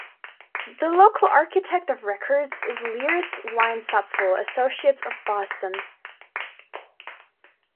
The local architect of record is Leers Weinzapfel Associates, of Boston.